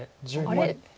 あれ？